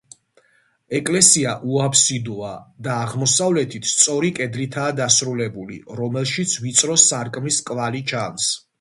ეკლესია უაბსიდოა და აღმოსავლეთით სწორი კედლითაა დასრულებული, რომელშიც ვიწრო სარკმლის კვალი ჩანს.